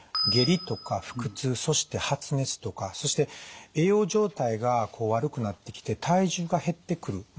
下痢とか腹痛そして発熱とかそして栄養状態が悪くなってきて体重が減ってくる。